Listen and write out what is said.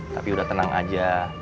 tapi udah tenang aja